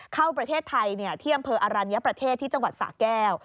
เข้าประเทศไทยที่อำเภออรัญญประเทศที่จังหวัดสะแก้ว